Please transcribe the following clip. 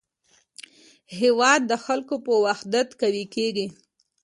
هېواد د خلکو په وحدت قوي کېږي.